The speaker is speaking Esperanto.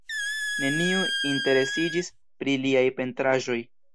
Neniu interesiĝis pri liaj pentraĵoj.